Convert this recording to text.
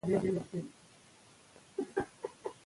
که مطالعه وکړو نو فکر نه زنګ کیږي.